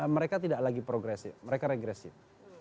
mereka tidak lagi progresif mereka regresif